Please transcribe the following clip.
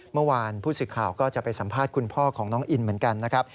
เมื่อวานผู้สื่อข่าวก็จะไปสัมภาษณ์คุณพ่อของน้องอินเหมือนกันนะครับ